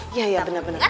iya iya benar benar